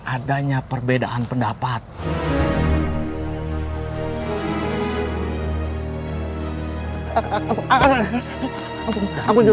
aduh mbak future belongnya darinik d